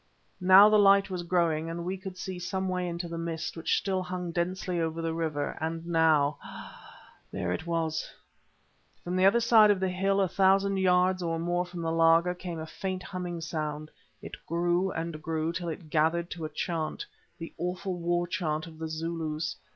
Now the light was growing, and we could see some way into the mist which still hung densely over the river, and now—ah! there it was. From the other side of the hill, a thousand yards or more from the laager, came a faint humming sound. It grew and grew till it gathered to a chant—the awful war chant of the Zulus.